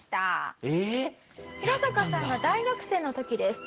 ヒラサカさんが大学生の時です。